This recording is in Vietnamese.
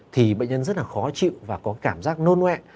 thì bệnh nhân rất là khó chịu và có cảm giác nôn hoạ